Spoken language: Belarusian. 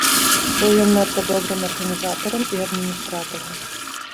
Быў ён надта добрым арганізатарам і адміністратарам.